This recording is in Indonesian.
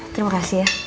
terima kasih ya